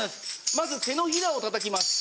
まず手のひらをたたきます。